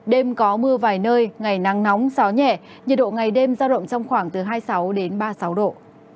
đêm có mưa vài nơi ngày nắng nóng gió nhẹ nhiệt độ ngày đêm giao động trong khoảng từ hai mươi sáu đến ba mươi sáu độ